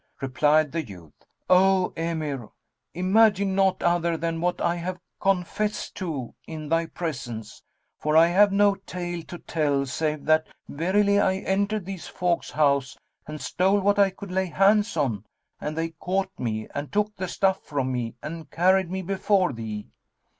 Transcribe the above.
Replied the youth "O Emir, imagine naught other than what I have confessed to in thy presence; for I have no tale to tell save that verily I entered these folks' house and stole what I could lay hands on and they caught me and took the stuff from me and carried me before thee."